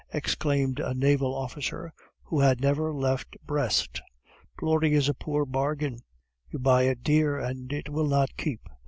exclaimed a naval officer who had never left Brest. "Glory is a poor bargain; you buy it dear, and it will not keep.